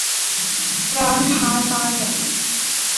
ร้านค้าตายหมด